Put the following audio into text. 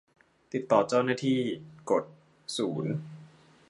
ติดต่อเจ้าหน้าที่ กดศูนย์